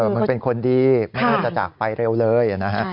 มันเป็นคนดีไม่น่าจะจากไปเร็วเลยนะฮะ